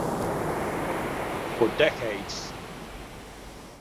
For decades.